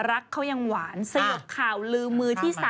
รักเขายังหวานสยบข่าวลืมมือที่๓